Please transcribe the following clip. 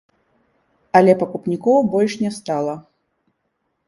Але пакупнікоў больш не стала.